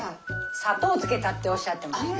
砂糖つけたっておっしゃってました。